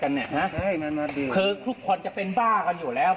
คือทุกคนจะเป็นบ้ากันอยู่แล้ว